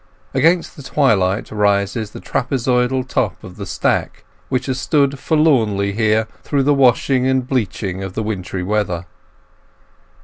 Against the twilight rises the trapezoidal top of the stack, which has stood forlornly here through the washing and bleaching of the wintry weather.